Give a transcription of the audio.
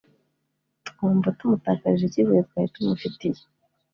twumva tumutakarije icyizere twari tumufitiye